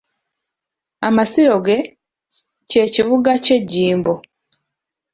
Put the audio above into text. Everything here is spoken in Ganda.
Amasiro ge, kye kibuga kye Jjimbo.